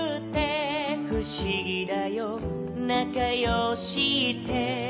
「ふしぎだよなかよしって」